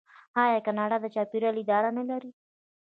آیا کاناډا د چاپیریال اداره نلري؟